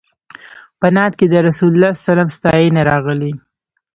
په نعت کې د رسول الله صلی الله علیه وسلم ستاینه راغلې.